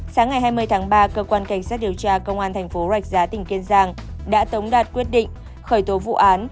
sáng ngày hai mươi tháng ba cơ quan cảnh sát điều tra công an thành phố rạch giá tỉnh kiên giang đã tống đạt quyết định khởi tố vụ án